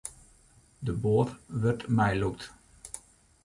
De boat wurdt meilûkt.